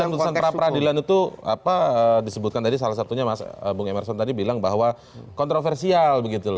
karena disebutkan putusan pra peradilan itu disebutkan tadi salah satunya mas bung emerson tadi bilang bahwa kontroversial begitu loh